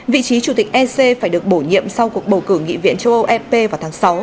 vị trí chủ tịch ec phải được bổ nhiệm sau cuộc bầu cử nghị viện châu âu ep vào tháng sáu